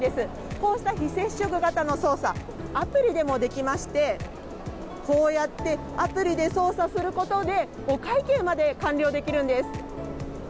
こうした非接触型の操作、アプリでもできまして、こうやってアプリで操作することで、お会計まで完了できるんです。